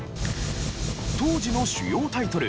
当時の主要タイトル